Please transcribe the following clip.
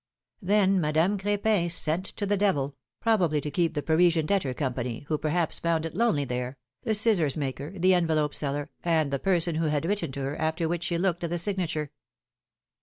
Then Madame Cr^pin sent to the devil — probably to keep the Parisian debtor company, who perhaps found it lonely there — the scissors' maker, the envelope seller, and the person who had written to her, after which she looked at the signature.